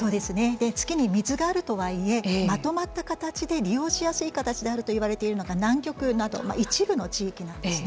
月に水があるとはいえまとまった形で利用しやすい形であると言われているのが南極など一部の地域なんですね。